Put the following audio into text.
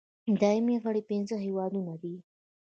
دایمي غړي پنځه هېوادونه دي.